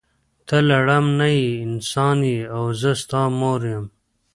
ته لړم نه یی انسان یی او زه ستا مور یم.